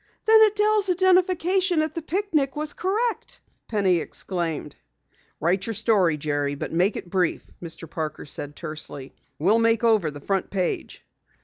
"Then Adelle's identification at the picnic was correct!" Penny exclaimed. "Write your story, Jerry, but make it brief," Mr. Parker said tersely. "We'll make over the front page."